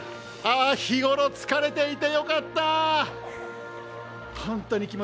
あ日頃、疲れていてよかった！